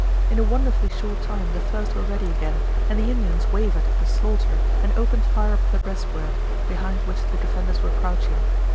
In a wonderfully short time the first were ready again, and the Indians wavered at the slaughter and opened fire upon the breastwork, behind which the defenders were crouching.